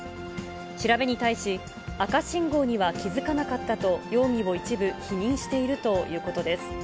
調べに対し、赤信号には気付かなかったと、容疑を一部否認しているということです。